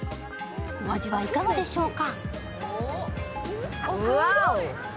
お味はいかがでしょうか？